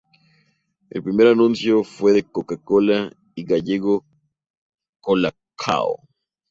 El primer anuncio fue de Coca Cola y en gallego, Cola Cao.